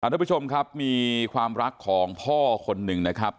ทุกผู้ชมครับมีความรักของพ่อคนหนึ่งนะครับ